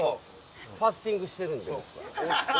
ファスティングしてるんで。